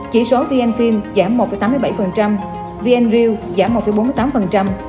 chỉ số vn film giảm một tám mươi bảy vn real giảm một bốn mươi tám